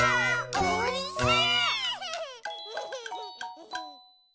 おいしい？